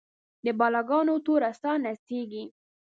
د بلا ګانو توره ساه نڅیږې